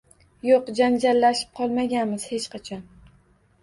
Yo`q, janjallashib qolmaganmiz hech qachon